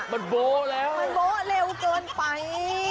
มันโบ๊แล้วมันโบ๊ะเร็วเกินไป